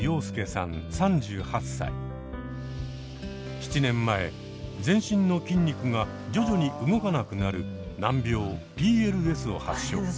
７年前全身の筋肉が徐々に動かなくなる難病ＰＬＳを発症。